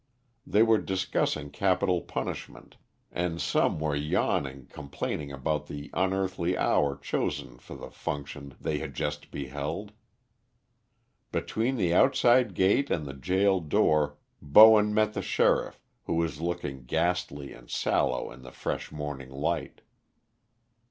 They were discussing capital punishment, and some were yawningly complaining about the unearthly hour chosen for the function they had just beheld. Between the outside gate and the gaol door Bowen met the sheriff, who was looking ghastly and sallow in the fresh morning light.